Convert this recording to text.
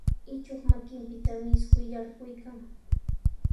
Ichuq makinpitami isquy yarquykan.